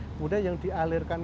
kemudian yang dialirkan